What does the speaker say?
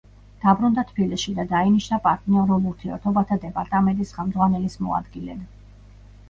დაბრუნდა თბილისში და დაინიშნა პარტნიორულ ურთიერთობათა დეპარტამენტის ხელმძღვანელის მოადგილედ.